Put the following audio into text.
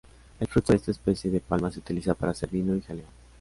El fruto de esta especie de palma se utiliza para hacer vino y jalea.